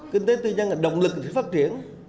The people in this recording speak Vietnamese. kinh tế tư nhân là động lực để phát triển